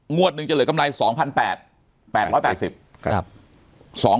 งวดหนึ่งจะเหลือกำไร๒๘๘๐สตางค์